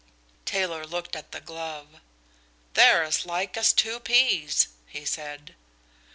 Taylor looked at the glove. "They're as like as two peas," he said.